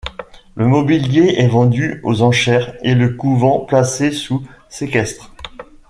Le mobilier est vendu aux enchères et le couvent placé sous séquestre.